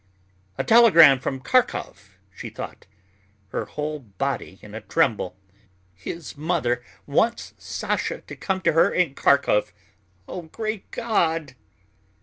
"A telegram from Kharkov," she thought, her whole body in a tremble. "His mother wants Sasha to come to her in Kharkov. Oh, great God!"